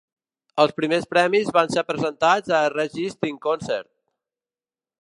Els primers premis van ser presentats a Resist in Concert!